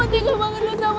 jangan turunin gue toh